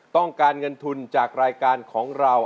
ต้องการเงินทุนจากรายการของเรา